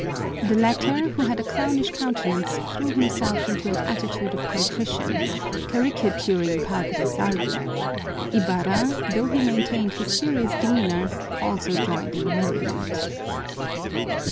The latter, who had a clownish countenance, threw himself into an attitude of contrition, caricaturing Padre Salvi. Ibarra, though he maintained his serious demeanor, also joined in the merriment.